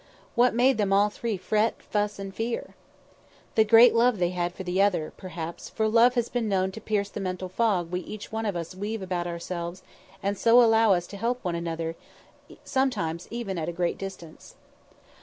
What made them all three fret, and fuss, and fear? The great love they had one for the other, perhaps, for love has been known to pierce the mental fog we each one of us weave about ourselves and so allow us to help one another, sometimes even at a great distance.